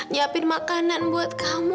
nyiapin makanan buat kamu